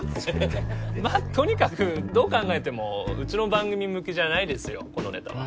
まあとにかくどう考えてもうちの番組向きじゃないですよこのネタは。